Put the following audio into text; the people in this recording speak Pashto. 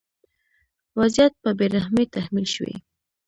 وضعیت په بې رحمۍ تحمیل شوی.